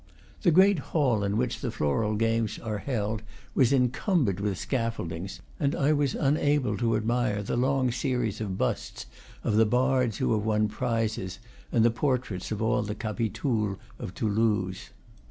The great hall in which the Floral Games are held was encumbered with scaffoldings, and I was unable to admire the long series of busts of the bards who have won prizes and the portraits of all the capitouls of Toulouse.